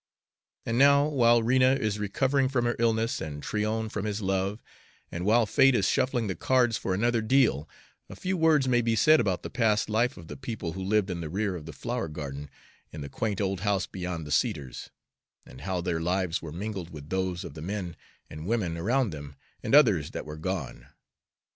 And now, while Rena is recovering from her illness, and Tryon from his love, and while Fate is shuffling the cards for another deal, a few words may be said about the past life of the people who lived in the rear of the flower garden, in the quaint old house beyond the cedars, and how their lives were mingled with those of the men and women around them and others that were gone.